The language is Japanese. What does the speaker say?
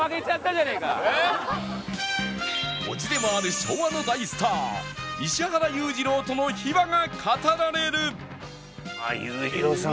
叔父でもある昭和の大スター石原裕次郎との秘話が語られる！